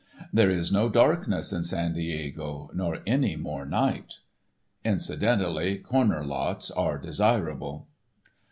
There is no darkness in San Diego, nor any more night. Incidentally corner lots are desirable.